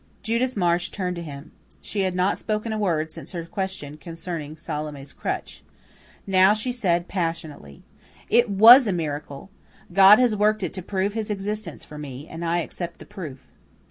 Judith Marsh turned to him. She had not spoken a word since her question concerning Salome's crutch. Now she said passionately: "It WAS a miracle. God has worked it to prove His existence for me, and I accept the proof."